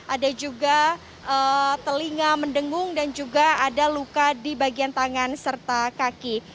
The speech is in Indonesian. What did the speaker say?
ada juga telinga mendengung dan juga ada luka di bagian tangan serta kaki